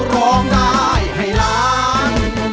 ร้องได้ให้ล้าน